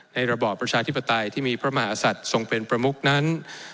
ระบอบประชาธิปไตยที่มีพระมหาศัตริย์ทรงเป็นประมุกนั้น